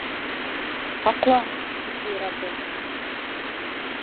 Һаҡлан, кеше йораты!